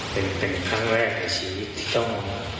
เป็นครั้งแรกในชีวิตที่ต้อง